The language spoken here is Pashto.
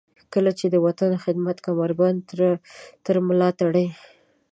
کله چې د وطن د خدمت کمربند تر ملاتړئ.